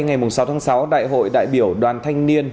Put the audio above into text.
ngày sáu tháng sáu đại hội đại biểu đoàn thanh niên